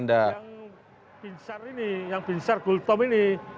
yang binsar ini yang binsar gultom ini